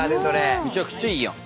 めちゃくちゃいいやん。